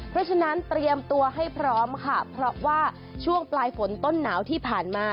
เพราะฉะนั้นเตรียมตัวให้พร้อมค่ะเพราะว่าช่วงปลายฝนต้นหนาวที่ผ่านมา